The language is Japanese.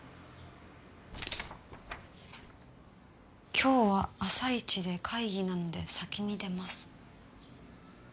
「今日は朝イチで会議なので先に出ます」